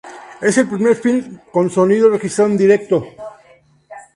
Es el primer film con sonido registrado en directo.